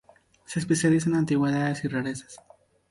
Se especializa en antigüedades y rarezas.